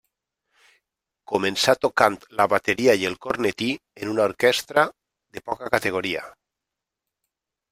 Començà tocant la bateria i el cornetí en una orquestra de poca categoria.